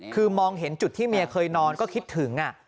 คือมองเห็นจุดที่เมียเคยนอนก็คิดถึง